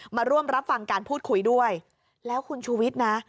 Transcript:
มาร่วมรับฟังการพูดคุยด้วยแล้วคุณชูวิทย์นะ